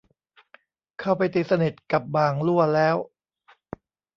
เข้าไปตีสนิทกับบ่างลั่วแล้ว